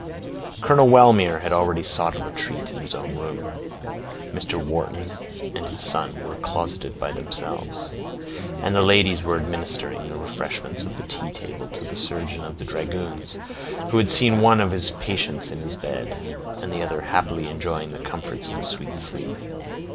Colonel Wellmere had already sought a retreat in his own room; Mr. Wharton and his son were closeted by themselves; and the ladies were administering the refreshments of the tea table to the surgeon of the dragoons, who had seen one of his patients in his bed, and the other happily enjoying the comforts of a sweet sleep.